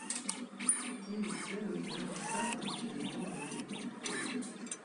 Tiuj celoj gravas ankaŭ ĉe legomoj kaj fruktoj.